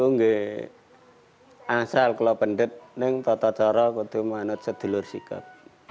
mengingat kalau pendatang saya harus mencari sedulur sedulur sikap